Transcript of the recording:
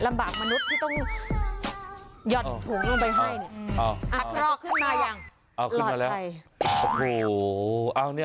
ลำบากมันุษย์ที่ต้องยอดถุงลงไปให้